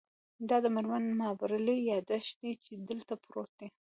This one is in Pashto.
دا د میرمن مابرلي یادښت دی چې دلته پروت دی